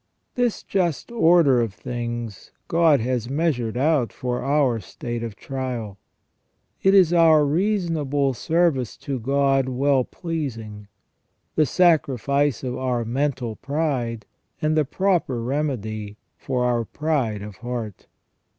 This just order of things God has measured out for our state of trial. It is our "reasonable service to God well pleasing "; the sacrifice of our mental pride, and the proper remedy for our pride of heart.